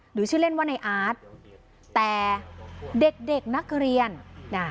หรือชื่อเล่นว่าในอาร์ตแต่เด็กเด็กนักเรียนน่ะ